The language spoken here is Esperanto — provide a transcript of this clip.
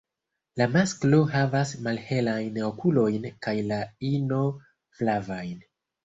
La masklo havas malhelajn okulojn kaj la ino flavajn.